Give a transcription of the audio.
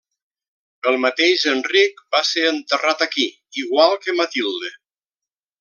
El mateix Enric va ser enterrat aquí, igual que Matilde.